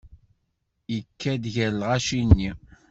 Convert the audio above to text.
Yekka-d gar lɣaci-nni.